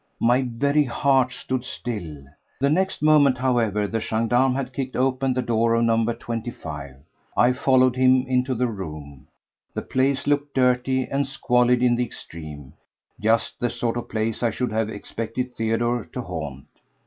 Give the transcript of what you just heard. My very heart stood still. The next moment, however, the gendarme had kicked open the door of No. 25, and I followed him into the room. The place looked dirty and squalid in the extreme—just the sort of place I should have expected Theodore to haunt.